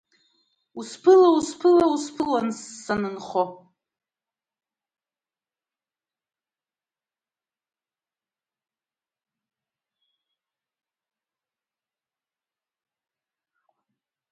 Усԥыла, усԥыла, усԥыл санынхо!